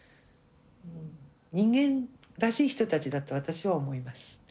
人間らしい人たちだと私は思います。